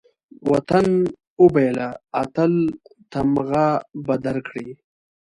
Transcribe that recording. وطن وبېله، اتل تمغه به درکړي